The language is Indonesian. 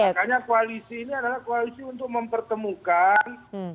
makanya koalisi ini adalah koalisi untuk mempertemukan